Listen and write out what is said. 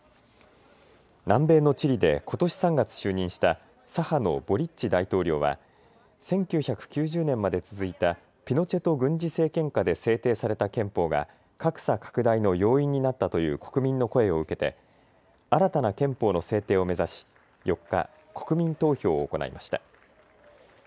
南米のチリでことし３月、就任した左派のボリッチ大統領は１９９０年まで続いたピノチェト軍事政権下で制定された憲法が格差拡大の要因になったという国民の声を受けて新たな憲法の制定を目指し４日、国民投票を行いました。